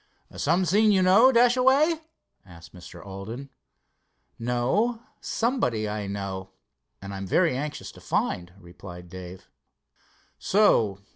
"Some scene you know, Dashaway?" asked Mr. Alden. "No, somebody I know and am very anxious to find," replied Dave. "So?